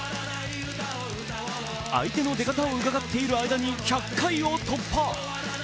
相手の出方をうかがっている間に１００回を突破。